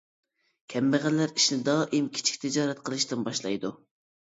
كەمبەغەللەر ئىشنى دائىم كىچىك تىجارەت قىلىشتىن باشلايدۇ.